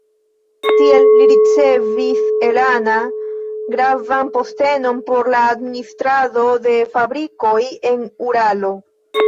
Tiel li ricevis el Anna gravan postenon por la administrado de fabrikoj en Uralo.